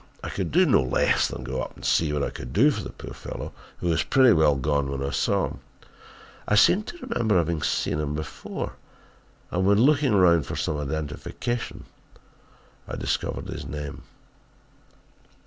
I could do no less than go up and see what I could do for the poor fellow who was pretty well gone when I saw him. I seemed to remember having seen him before and when looking round for some identification I discovered his name I readily recalled the circumstance.